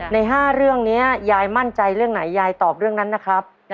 ใน๕เรื่องนี้ยายมั่นใจเรื่องไหนยายตอบเรื่องนั้นนะครับ